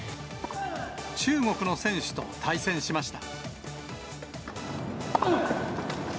中国の選手と対戦しました。